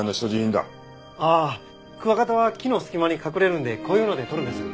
ああクワガタは木の隙間に隠れるんでこういうので捕るんです。